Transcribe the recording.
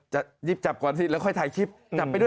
จับหยิบจับก่อนแล้วถ่ายคลิป